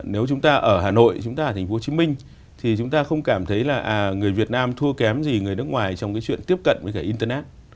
nếu chúng ta ở hà nội chúng ta ở thành phố hồ chí minh thì chúng ta không cảm thấy là người việt nam thua kém gì người nước ngoài trong cái chuyện tiếp cận với cái internet